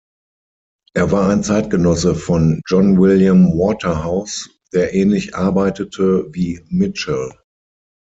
Er war ein Zeitgenosse von John William Waterhouse, der ähnlich arbeitete wie Mitchell.